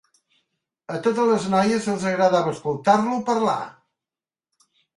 A totes les noies els agradava escoltar-lo parlar.